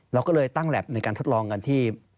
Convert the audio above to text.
เราก็เลยตั้งแล็บในการทดลองกันที่